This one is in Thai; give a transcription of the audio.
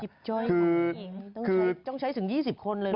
พยายามจีบจ้อยต้องใช้ต้องใช้ถึง๒๐คนเลยเหรอ